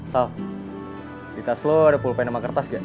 sal di tas lu ada pulpen sama kertas gak